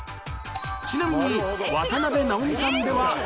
ちなみに渡辺直美さんではありません